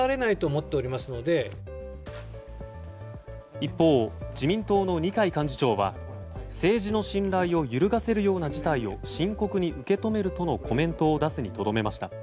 一方自民党の二階幹事長は政治の信頼を揺るがせるような事態を深刻に受け止めるとのコメントを出すにとどめました。